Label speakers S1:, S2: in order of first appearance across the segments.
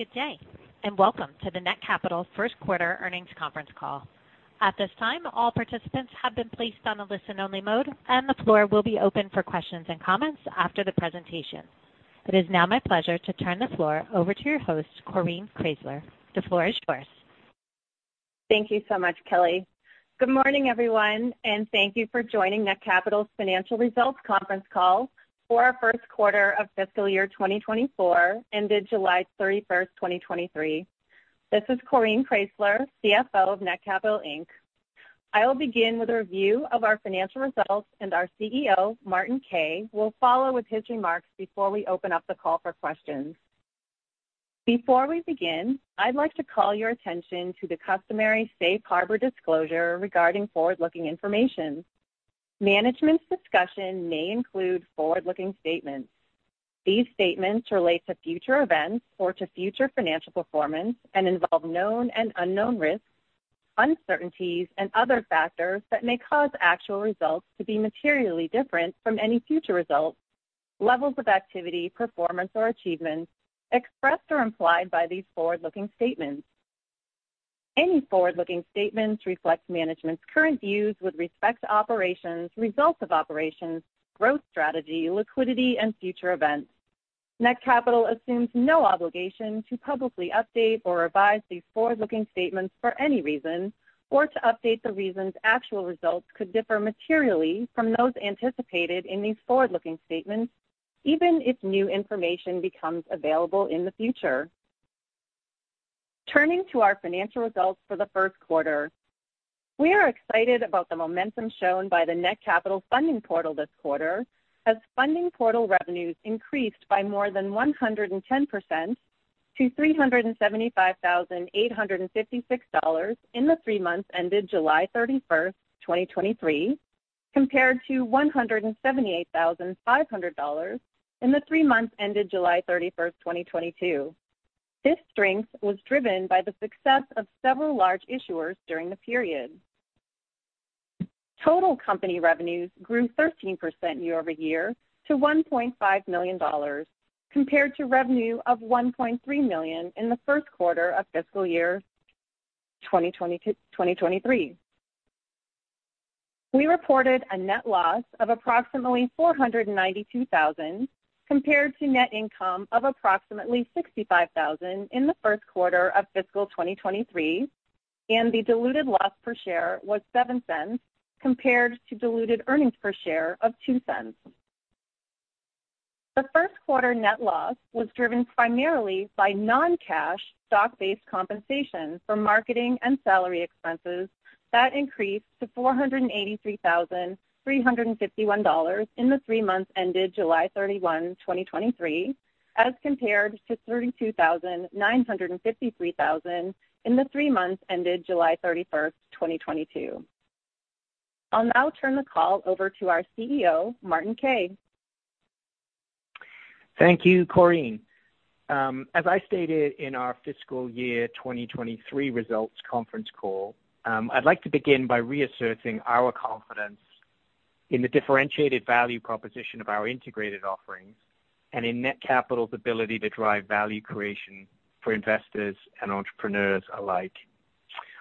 S1: Good day, and welcome to the Netcapital first quarter earnings conference call. At this time, all participants have been placed on a listen-only mode, and the floor will be open for questions and comments after the presentation. It is now my pleasure to turn the floor over to your host, Coreen Kraysler. The floor is yours.
S2: Thank you so much, Kelly. Good morning, everyone, and thank you for joining Netcapital's financial results conference call for our first quarter of fiscal year 2024, ended July 31, 2023. This is Coreen Kraysler, CFO of Netcapital Inc I will begin with a review of our financial results, and our CEO, Martin Kay, will follow with his remarks before we open up the call for questions. Before we begin, I'd like to call your attention to the customary safe harbor disclosure regarding forward-looking information. Management's discussion may include forward-looking statements. These statements relate to future events or to future financial performance and involve known and unknown risks, uncertainties, and other factors that may cause actual results to be materially different from any future results, levels of activity, performance, or achievements expressed or implied by these forward-looking statements. Any forward-looking statements reflect management's current views with respect to operations, results of operations, growth strategy, liquidity, and future events. Netcapital assumes no obligation to publicly update or revise these forward-looking statements for any reason, or to update the reasons actual results could differ materially from those anticipated in these forward-looking statements, even if new information becomes available in the future. Turning to our financial results for the first quarter, we are excited about the momentum shown by the Netcapital funding portal this quarter, as funding portal revenues increased by more than 110% to $375,856 in the three months ended July 31st, 2023, compared to $178,500 in the three months ended July 31st, 2022. This strength was driven by the success of several large issuers during the period. Total company revenues grew 13% year-over-year to $1.5 million, compared to revenue of $1.3 million in the first quarter of fiscal year 2023. We reported a net loss of approximately $492,000, compared to net income of approximately $65,000 in the first quarter of fiscal 2023, and the diluted loss per share was $0.07, compared to diluted earnings per share of $0.02. The first quarter net loss was driven primarily by non-cash stock-based compensation from marketing and salary expenses that increased to $483,351 in the three months ended July 31, 2023, as compared to $32,953 in the three months ended July 31st, 2022. I'll now turn the call over to our CEO, Martin Kay.
S3: Thank you, Coreen. As I stated in our fiscal year 2023 results conference call, I'd like to begin by reasserting our confidence in the differentiated value proposition of our integrated offerings and in Netcapital's ability to drive value creation for investors and entrepreneurs alike.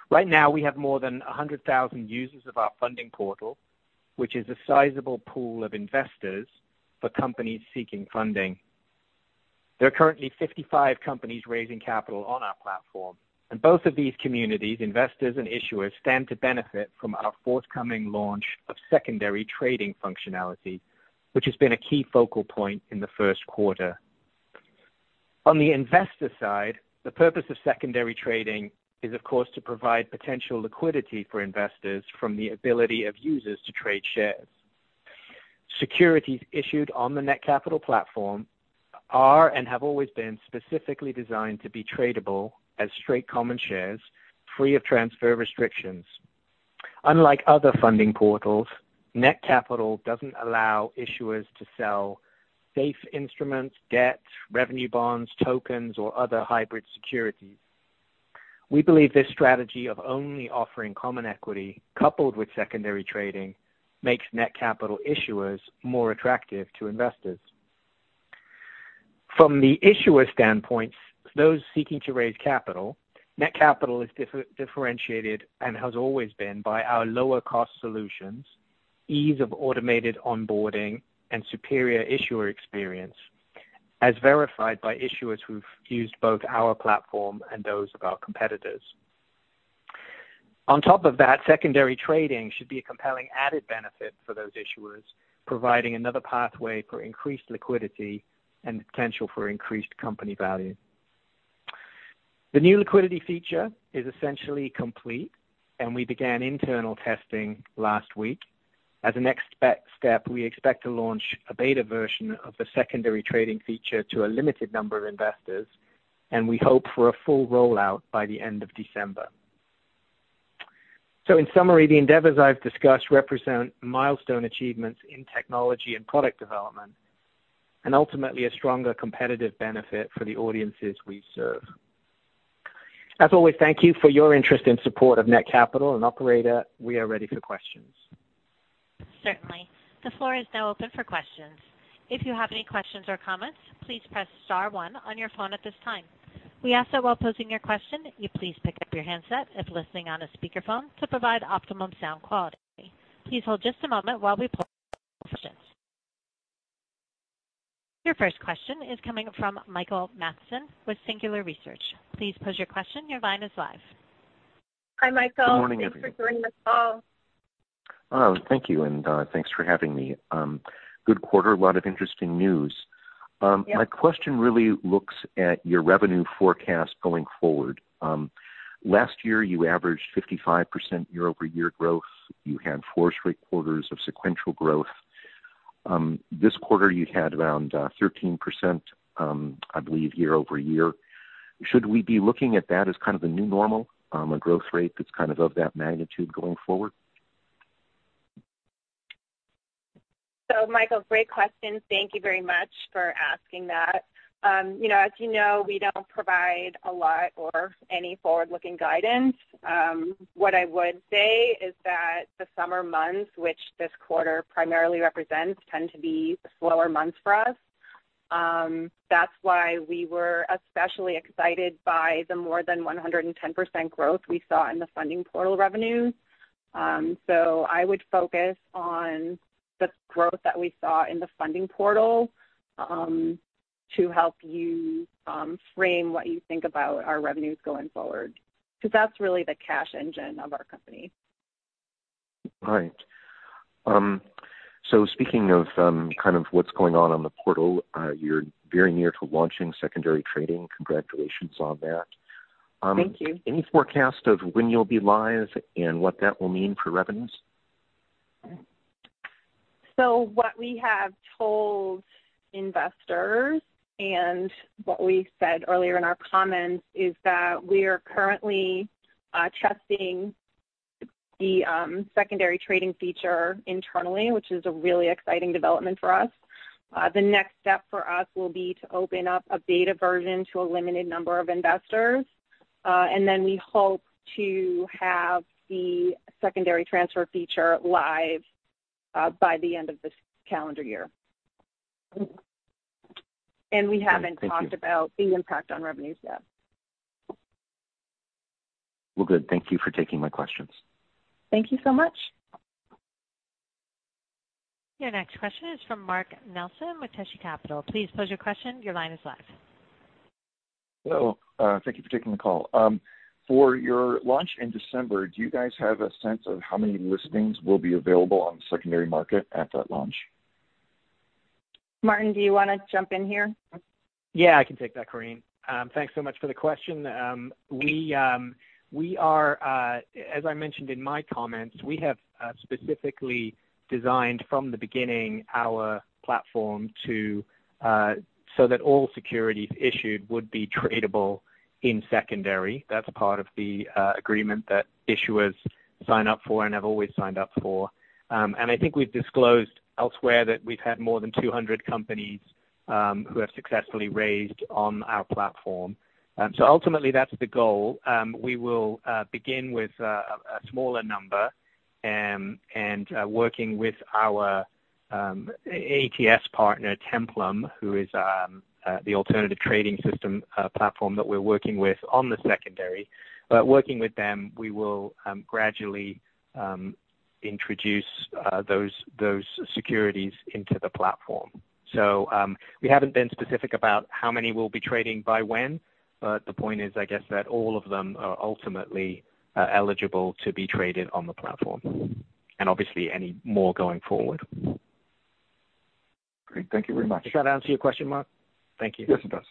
S3: Right now, we have more than 100,000 users of our funding portal, which is a sizable pool of investors for companies seeking funding. There are currently 55 companies raising capital on our platform, and both of these communities, investors and issuers, stand to benefit from our forthcoming launch of secondary trading functionality, which has been a key focal point in the first quarter. On the investor side, the purpose of secondary trading is, of course, to provide potential liquidity for investors from the ability of users to trade shares. Securities issued on the Netcapital platform are, and have always been, specifically designed to be tradable as straight common shares, free of transfer restrictions. Unlike other funding portals, Netcapital doesn't allow issuers to sell SAFE instruments, debts, revenue bonds, tokens, or other hybrid securities. We believe this strategy of only offering common equity, coupled with secondary trading, makes Netcapital issuers more attractive to investors. From the issuer standpoint, those seeking to raise capital, Netcapital is differentiated, and has always been, by our lower-cost solutions, ease of automated onboarding, and superior issuer experience, as verified by issuers who've used both our platform and those of our competitors. On top of that, secondary trading should be a compelling added benefit for those issuers, providing another pathway for increased liquidity and potential for increased company value. The new liquidity feature is essentially complete, and we began internal testing last week. As a next step, we expect to launch a beta version of the secondary trading feature to a limited number of investors, and we hope for a full rollout by the end of December. So in summary, the endeavors I've discussed represent milestone achievements in technology and product development, and ultimately a stronger competitive benefit for the audiences we serve. As always, thank you for your interest and support of Netcapital. And operator, we are ready for questions.
S1: Certainly. The floor is now open for questions. If you have any questions or comments, please press star one on your phone at this time. We ask that while posing your question, you please pick up your handset if listening on a speakerphone to provide optimum sound quality. Please hold just a moment while we pull questions. Your first question is coming from Michael Mathison with Singular Research. Please pose your question. Your line is live.
S2: Hi, Michael.
S4: Good morning, everyone.
S2: Thanks for joining this call.
S4: Oh, thank you, and thanks for having me. Good quarter. A lot of interesting news.
S2: Yeah.
S4: My question really looks at your revenue forecast going forward. Last year, you averaged 55% year-over-year growth. You had four straight quarters of sequential growth. This quarter, you had around 13%, I believe, year-over-year. Should we be looking at that as kind of a new normal, a growth rate that's kind of that magnitude going forward?
S2: So Michael, great question. Thank you very much for asking that. You know, as you know, we don't provide a lot or any forward-looking guidance. What I would say is that the summer months, which this quarter primarily represents, tend to be slower months for us. That's why we were especially excited by the more than 110% growth we saw in the funding portal revenues. So I would focus on the growth that we saw in the funding portal, to help you, frame what you think about our revenues going forward, because that's really the cash engine of our company.
S4: All right. So speaking of, kind of what's going on on the portal, you're very near to launching secondary trading. Congratulations on that.
S2: Thank you.
S4: Any forecast of when you'll be live and what that will mean for revenues?
S2: So what we have told investors and what we said earlier in our comments, is that we are currently testing the secondary trading feature internally, which is a really exciting development for us. The next step for us will be to open up a beta version to a limited number of investors, and then we hope to have the secondary transfer feature live by the end of this calendar year. We haven't talked about the impact on revenues yet.
S4: Well, good. Thank you for taking my questions.
S2: Thank you so much.
S1: Your next question is from Mark Nelson with Tashi Capital. Please pose your question. Your line is live.
S5: Hello. Thank you for taking the call. For your launch in December, do you guys have a sense of how many listings will be available on the secondary market at that launch?
S2: Martin, do you wanna jump in here?
S3: Yeah, I can take that, Coreen. Thanks so much for the question. As I mentioned in my comments, we have specifically designed from the beginning our platform to so that all securities issued would be tradable in secondary. That's part of the agreement that issuers sign up for and have always signed up for. And I think we've disclosed elsewhere that we've had more than 200 companies who have successfully raised on our platform. So ultimately that's the goal. We will begin with a smaller number and working with our ATS partner, Templum, who is the alternative trading system platform that we're working with on the secondary. But working with them, we will gradually introduce those securities into the platform. So, we haven't been specific about how many we'll be trading by when, but the point is, I guess, that all of them are ultimately eligible to be traded on the platform and obviously any more going forward.
S5: Great. Thank you very much.
S3: Does that answer your question, Mark? Thank you.
S5: Yes, it does.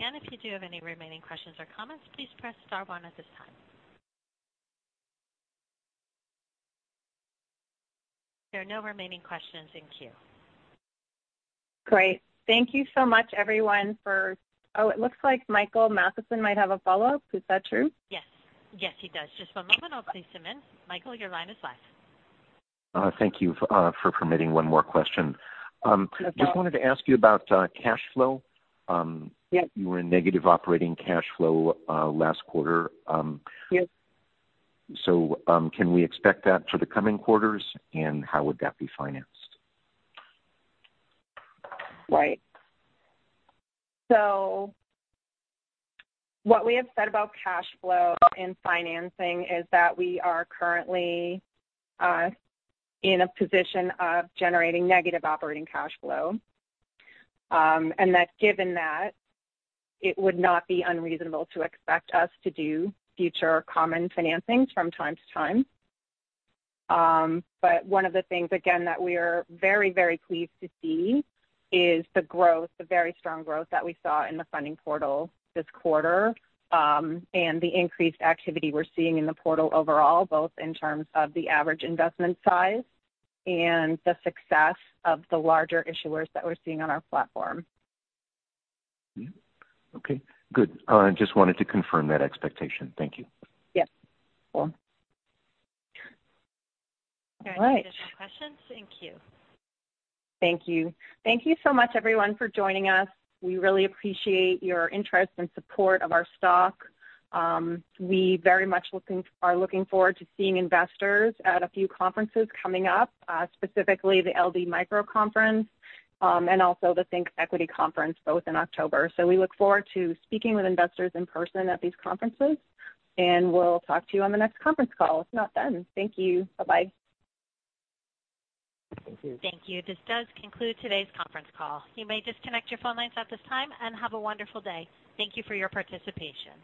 S1: Once again, if you do have any remaining questions or comments, please press star one at this time. There are no remaining questions in queue.
S2: Great. Thank you so much, everyone, for. Oh, it looks like Michael Mathison might have a follow-up. Is that true?
S1: Yes. Yes, he does. Just one moment, I'll place him in. Michael, your line is live.
S4: Thank you for permitting one more question. Just wanted to ask you about cash flow.
S2: Yes.
S4: You were in negative operating cash flow, last quarter.
S2: Yes.
S4: So, can we expect that for the coming quarters? And how would that be financed?
S2: Right. So what we have said about cash flow and financing is that we are currently in a position of generating negative operating cash flow. And that given that, it would not be unreasonable to expect us to do future common financings from time to time. But one of the things, again, that we are very, very pleased to see is the growth, the very strong growth that we saw in the funding portal this quarter, and the increased activity we're seeing in the portal overall, both in terms of the average investment size and the success of the larger issuers that we're seeing on our platform.
S4: Okay, good. I just wanted to confirm that expectation. Thank you.
S2: Yes. Cool.
S1: All right. Additional questions in queue.
S2: Thank you. Thank you so much, everyone, for joining us. We really appreciate your interest and support of our stock. We are very much looking forward to seeing investors at a few conferences coming up, specifically the LD Micro Conference, and also the ThinkEquity Conference, both in October. So we look forward to speaking with investors in person at these conferences, and we'll talk to you on the next conference call, if not then. Thank you. Bye-bye.
S4: Thank you.
S1: Thank you. This does conclude today's conference call. You may disconnect your phone lines at this time, and have a wonderful day. Thank you for your participation.